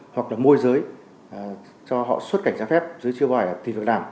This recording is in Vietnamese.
hoặc là môi giới cho họ xuất cảnh giá phép giữa chiêu bài và tìm việc đảm